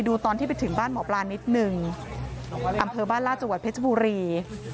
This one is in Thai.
ดูตอนที่ไปถึงบ้านหมอปลานิดนึงอำเภอบ้านลาดจังหวัดเพชรบุรี